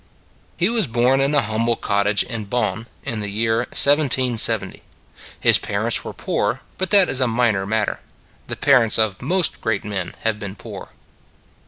He was born in a humble cottage in Bonn in the year 1770. His parents were poor, but that is a minor matter. The parents of most great men have been poor.